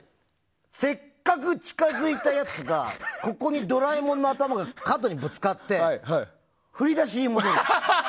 せっかく近づいたやつがドラえもんの頭が角にぶつかって振り出しに戻る。